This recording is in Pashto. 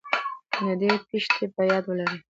نه دې تېښتې.په ياد ولرئ